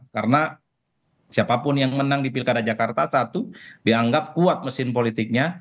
karena siapapun yang menang di pilkada jakarta satu dianggap kuat mesin politiknya